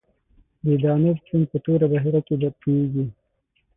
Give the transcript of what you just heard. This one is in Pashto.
د دانوب سیند په توره بحیره کې تویږي.